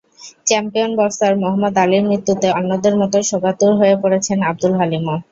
Champion boxer Muhammad আলীর মৃত্যুতে অন্যদের মতো শোকাতুর হয়ে পড়েছেন আবদুল হালিমও।